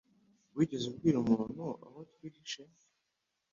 Wigeze ubwira umuntu aho twihishe?